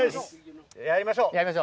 やりましょう。